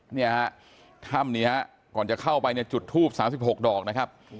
เนี่ยฮะถ้ำนี้ฮะก่อนจะเข้าไปเนี่ยจุดทูป๓๖ดอกนะครับ